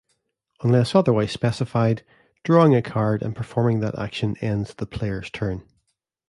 Unless otherwise specified, drawing a card and performing that action ends the player's turn.